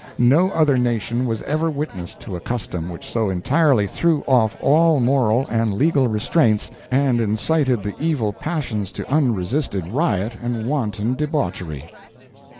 No other nation was ever witness to a custom which so entirely threw off all moral and legal restraints and incited the evil passions to unresisted riot and wanton debauchery."